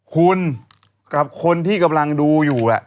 คุณกับคนที่กำลังดูอยู่